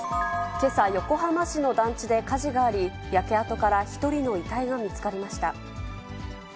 けさ、横浜市の団地で火事があり、焼け跡から１人の遺体が見つかりました。